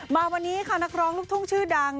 มาวันนี้ค่ะนักร้องลูกทุ่งชื่อดัง